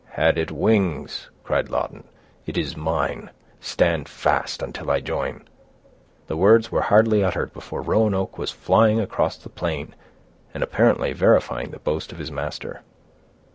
"Had it wings," cried Lawton, "it is mine; stand fast, until I join." The words were hardly uttered before Roanoke was flying across the plain, and apparently verifying the boast of his master.